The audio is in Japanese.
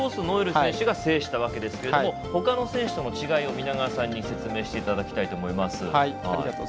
ノエル選手が制したわけですがほかの選手との違いを皆川さんに説明していただきたいと思います。